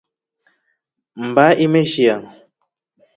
Mbaya imeshiya.